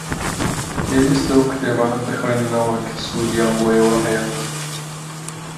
پێویستە ئەو کتێبانە بخوێننەوە کە سوودیان بۆ ئێوە هەیە.